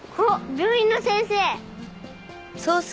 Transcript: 病院の先生。